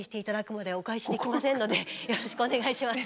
よろしくお願いします。